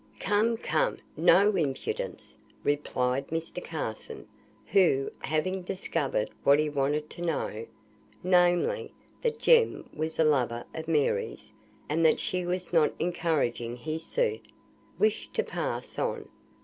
"Come, come, no impudence," replied Mr. Carson, who, having discovered what he wanted to know (namely, that Jem was a lover of Mary's, and that she was not encouraging his suit), wished to pass on.